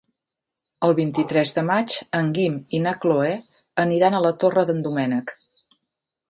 El vint-i-tres de maig en Guim i na Cloè aniran a la Torre d'en Doménec.